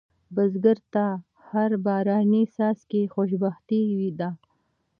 بزګر ته هر باراني څاڅکی خوشبختي ده